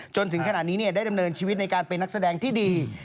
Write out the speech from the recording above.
จนถึงขนาดนี้ได้ดำเนินชีวิตในการเป็นนักแสดงที่ดี